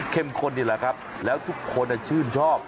ข้นนี่แหละครับแล้วทุกคนชื่นชอบ